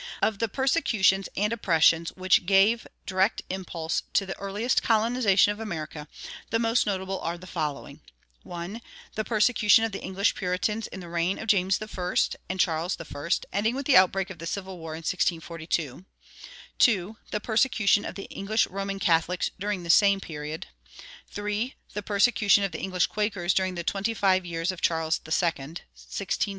Of the persecutions and oppressions which gave direct impulse to the earliest colonization of America, the most notable are the following: (1) the persecution of the English Puritans in the reigns of James I. and Charles I., ending with the outbreak of the civil war in 1642; (2) the persecution of the English Roman Catholics during the same period; (3) the persecution of the English Quakers during the twenty five years of Charles II.